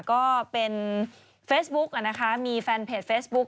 ก็เป็นเฟซบุ๊กนะคะมีแฟนเพจเฟซบุ๊ค